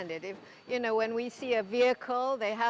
pada dasarnya kalau saya bisa memahami